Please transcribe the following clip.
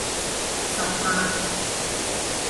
十八